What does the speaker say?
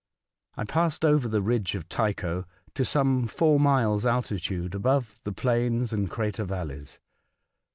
I passed over the ridge of Tycho to some four miles* altitude above the plains and crater valleys.